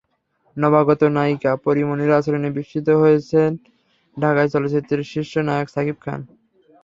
নবাগত নায়িকা পরীমনির আচরণে বিস্মিত হয়েছেন ঢাকাই চলচ্চিত্রের শীর্ষ নায়ক শাকিব খান।